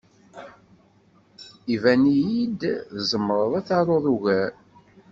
Iban-iyi-d tzemreḍ ad taruḍ ugar.